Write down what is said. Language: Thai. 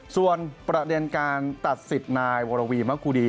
ส่วนประเด็นการตัดสิทธิ์นายวรวีมะกูดี